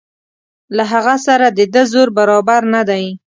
له هغه سره د ده زور برابر نه دی.